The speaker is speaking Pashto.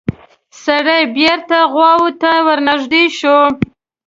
سړی بېرته غواوو ته ورنږدې شو.